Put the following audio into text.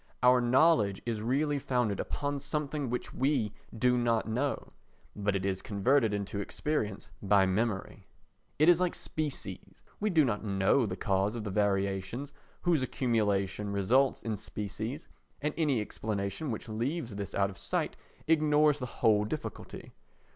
Our knowledge is really founded upon something which we do not know, but it is converted into experience by memory. It is like species—we do not know the cause of the variations whose accumulation results in species and any explanation which leaves this out of sight ignores the whole difficulty.